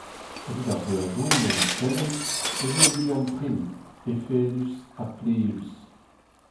Evit ar veajourien o tremen e vo ul liamm prim, efedus ha plijus.